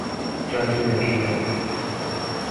專注的力量